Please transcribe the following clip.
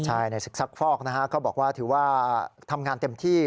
ใช่ในศึกซักฟอกนะฮะก็บอกว่าถือว่าทำงานเต็มที่